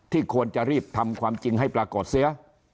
ควรจะรีบทำความจริงให้ปรากฏเสีย